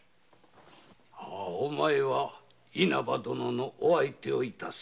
お前は稲葉殿のお相手をいたせ。